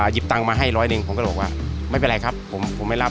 หยิบตังค์มาให้ร้อยหนึ่งผมก็เลยบอกว่าไม่เป็นไรครับผมไม่รับ